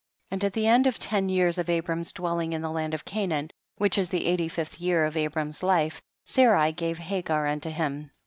27. And at the end of ten years of Abram's dwelling in the land of Canaan, which is the eighty fifth year of Abram's life, Sarai gave Hagar unto him.